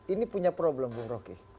ini punya problem bung rocky